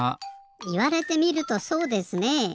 いわれてみるとそうですねえ。